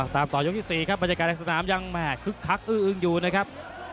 ต่อยกที่๔ครับบรรยากาศในสนามยังแม่คึกคักอื้ออึ้งอยู่นะครับ